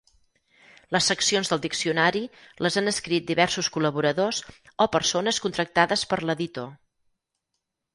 Les seccions del diccionari les han escrit diversos col·laboradors o persones contractades per l'editor.